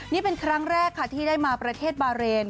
นี่เป็นครั้งแรกค่ะที่ได้มาประเทศบาเรน